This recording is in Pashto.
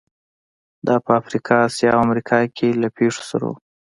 دا په افریقا، اسیا او امریکا کې له پېښو سره وو.